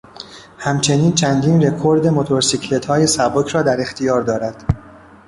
همچنین چندین رکورد موتور سیکلتهای سبک را در اختیار دارد.